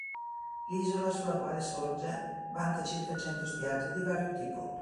L'isola sulla quale sorge vanta circa cento spiagge di vario tipo.